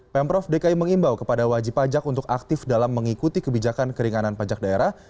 pemprov dki mengimbau kepada wajib pajak untuk aktif dalam mengikuti kebijakan keringanan pajak daerah